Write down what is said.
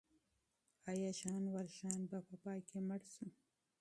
آیا ژان والژان په پای کې مړ شو؟